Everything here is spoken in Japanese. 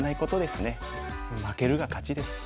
負けるが勝ちです。